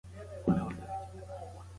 دا بندېدل د وینې جریان اغېزمنوي.